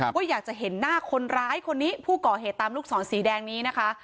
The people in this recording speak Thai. ว่าอยากจะเห็นหน้าคนร้ายคนนี้ผู้ก่อเหตุตามลูกศรสีแดงนี้นะคะ